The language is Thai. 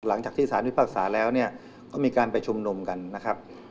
หลังจากที่สารพิพากษาแล้วเนี่ยก็มีการไปชุมนุมกันนะครับ